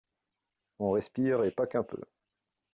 On respire et pas qu’un peu.